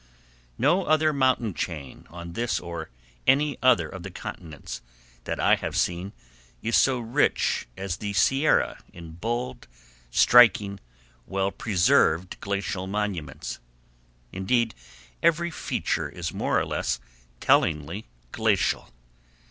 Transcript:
No other mountain chain on this or any other of the continents that I have seen is so rich as the Sierra in bold, striking, well preserved glacial monuments. Indeed, every feature is more or less tellingly glacial.